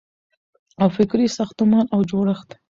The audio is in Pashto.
او فکري ساختمان او جوړښت